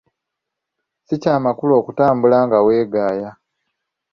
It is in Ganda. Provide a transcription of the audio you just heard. Si kya makulu okutambuala nga weegaaya.